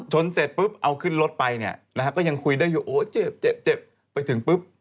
เสร็จปุ๊บเอาขึ้นรถไปเนี่ยนะฮะก็ยังคุยได้อยู่โอ้เจ็บเจ็บไปถึงปุ๊บ